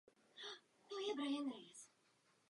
Podobný byl i pracovní oděv rolníků a řemeslníků.